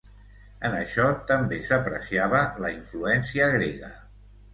En això també s'apreciava la influència grega.